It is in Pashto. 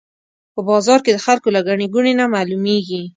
په بازار کې د خلکو له ګڼې ګوڼې نه معلومېږي.